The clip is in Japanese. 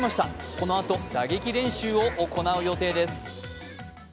このあと打撃練習を行う予定です。